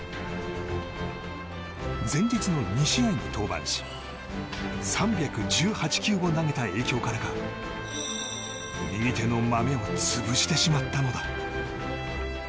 前日の２試合に登板し３１８球を投げた影響からか右手のマメを潰してしまったのだ。